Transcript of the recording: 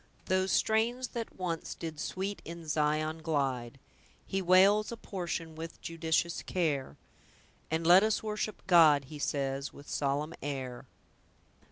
"Those strains that once did sweet in Zion glide; He wales a portion with judicious care; And 'Let us worship God', he says, with solemn air."